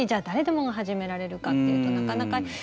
誰でもが始められるかっていうとなかなか。